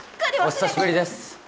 お久しぶりです。